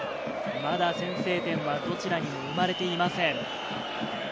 まだ先制点はどちらにも生まれていません。